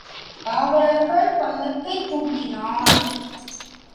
காவலர்கள் பல்லக்கைத் துக்கினர்.